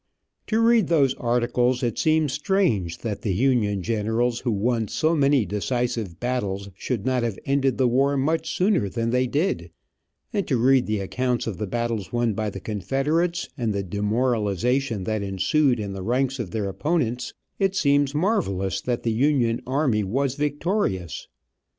To read those articles it seems strange that the Union generals who won so many decisive battles, should not have ended the war much sooner than they did, and to read the accounts of battles won by the Confederates, and the demoralization that ensued in the ranks of their opponents, it seems marvellous that the Union army was victorious.